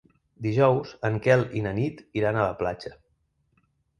Dijous en Quel i na Nit iran a la platja.